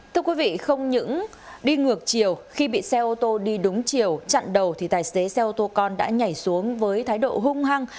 thưa quý vị không những đi ngược chiều khi bị xe ô tô đi đúng chiều chặn đầu thì tài xế xe ô tô con đã nhảy xuống với thái độ hung hăng